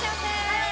はい！